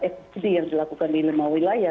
fgd yang dilakukan di lima wilayah